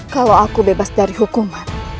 kalau aku bebas dari hukuman